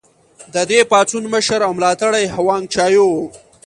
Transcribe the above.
د دې پاڅون مشر او ملاتړی هوانګ چائو و.